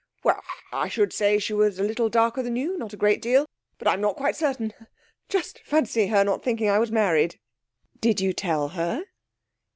'Well, I should say she was a little darker than you not a great deal. But I'm not quite certain. Just fancy her not thinking I was married!' 'Did you tell her?'